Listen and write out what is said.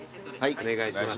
お願いします。